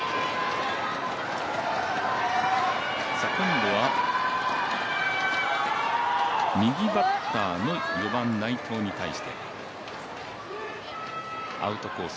今度は右バッターの４番・内藤に対してアウトコース